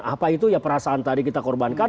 apa itu ya perasaan tadi kita korbankan